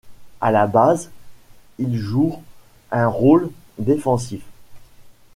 À la base, il jour un rôle défensif.